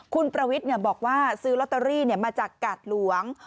คุณประวิทย์เนี่ยบอกว่าซื้อลอตเตอรี่เนี่ยมาจากกาศหลวง